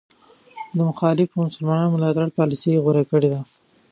د مخالفو مسلمانانو د ملاتړ پالیسي غوره کړې ده.